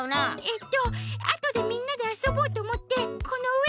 えっとあとでみんなであそぼうとおもってこのうえに。